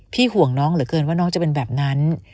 ห่วงน้องเหลือเกินว่าน้องจะเป็นแบบนั้น